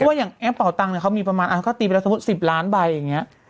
ดูว่าอย่างแอปเปล่าตังเนี่ยเขามีประมาณอาร์กฏิไปแล้วสมมติ๑๐ล้านใบอย่างเงี้ย